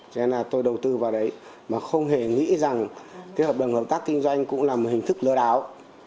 cho nên là tôi đầu tư vào đấy mà không hề nghĩ rằng cái hợp đồng hợp tác kinh doanh cũng là một hình thức lừa đảo